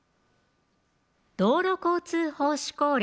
道路交通法施行令